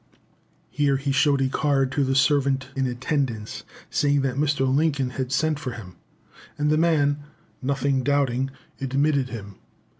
Here he showed a card to the servant in attendance, saying that Mr. Lincoln had sent for him, and the man, nothing doubting, admitted him.